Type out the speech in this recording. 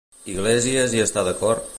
Iglesias hi està d'acord?